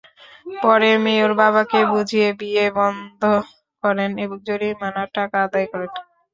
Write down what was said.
পরে মেয়ের বাবাকে বুঝিয়ে বিয়ে বন্ধ করেন এবং জরিমানার টাকা আদায় করেন।